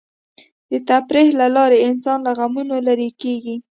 د تفریح له لارې انسان له غمونو لرې کېږي.